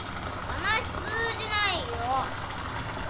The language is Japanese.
話通じないよ。